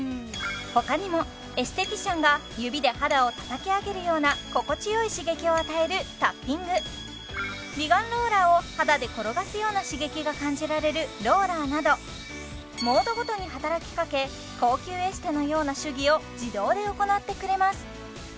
他にもエステティシャンが指で肌をたたき上げるような心地よい刺激を与えるタッピング美顔ローラーを肌で転がすような刺激が感じられるローラーなどモードごとに働きかけ高級エステのような手技を自動で行ってくれます